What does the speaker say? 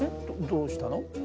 どどうしたの？